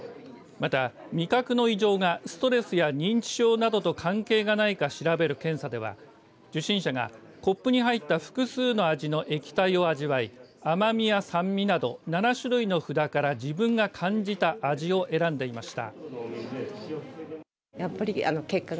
また、味覚の異常がストレスや認知症などと関係がないか調べる検査では受診者がコップに入った複数の味の液体を味わい、甘みや酸味など７種類の札から自分が感じた味を選んでいました。